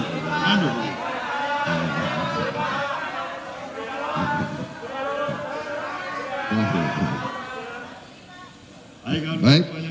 terima kasih banyak banyak